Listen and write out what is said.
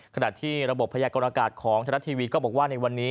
ขณะที่ระบบพยากรณากาศของไทยรัฐทีวีก็บอกว่าในวันนี้